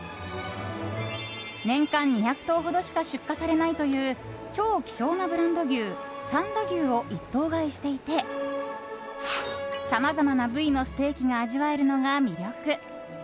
年間２００頭ほどしか出荷されないという超希少なブランド牛三田牛を一頭買いしていてさまざまな部位のステーキが味わえるのが魅力。